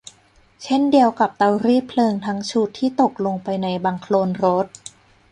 เช่นเดียวกับเตารีดเพลิงทั้งชุดที่ตกลงไปในบังโคลนรถ